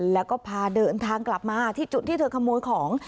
แล้วก็พาเดินทางกลับมาที่จุดที่เธอขโมยของ